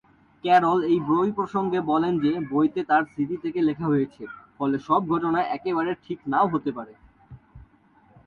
Carroll এই বই প্রসঙ্গে বলেন যে বইতে তার স্মৃতি থেকে লেখা হয়েছে, ফলে সব ঘটনা একেবারে ঠিক নাও হতে পারে।